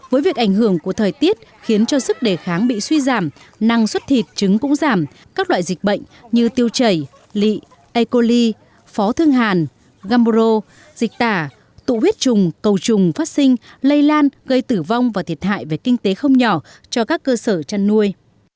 với việc ảnh hưởng của thời tiết khiến cho sức đề kháng bị suy giảm năng suất thịt trứng cũng giảm các loại dịch bệnh như tiêu chảy lị e coli phó thương hàn gamboro dịch tả tụ huyết trùng cầu trùng phát sinh lây lan gây tử vong và thiệt hại về kinh tế không nhỏ cho các cơ sở chăn nuôi